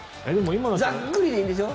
ざっくりでいいんですよ。